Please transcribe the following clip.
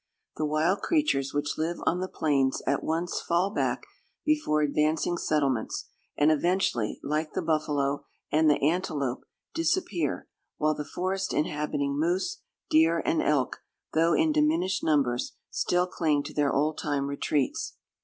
The wild creatures which live on the plains at once fall back before advancing settlements, and eventually, like the buffalo and the antelope, disappear; while the forest inhabiting moose, deer, and elk, though in diminished numbers, still cling to their old time retreats.